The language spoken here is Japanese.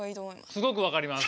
すごくわかります。